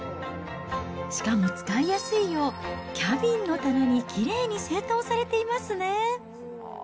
しかも使いやすいよう、キャビンの棚にきれいに整頓されていますね。